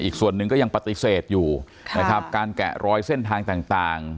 อีกส่วนหนึ่งก็ยังปฏิเสธอยู่นะครับการแกะรอยเส้นทางต่าง